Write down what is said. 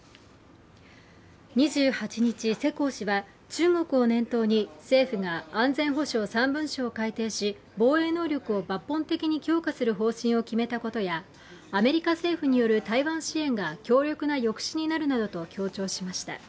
２８日、世耕氏は中国を念頭に政府が安全保障３文書を改定し防衛能力を抜本的に強化する方針を決めたことやアメリカ政府による台湾支援が強力な抑止になるなどと強調しました。